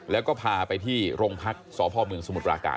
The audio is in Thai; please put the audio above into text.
แล้วก็พาไปที่โรงพักษ์สพเมืองสมุทรปราการ